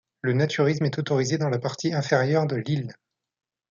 Le naturisme est autorisé dans la partie inférieure de l'île.